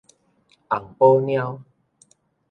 紅寶貓